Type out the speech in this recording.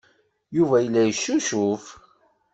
Yuba yella yeccucuf.